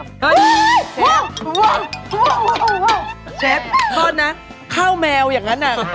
มันกินโปรบยังไง